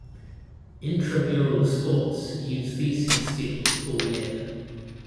Intramural sports use theses fields all year.